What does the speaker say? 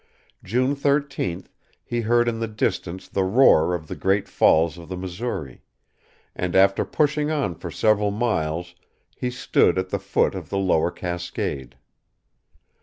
June 13th he heard in the distance the roar of the Great Falls of the Missouri; and, after pushing on for several miles, he stood at the foot of the lower cascade.